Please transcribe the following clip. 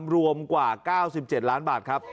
รวมกว่า๙๗ล้านบาทครับ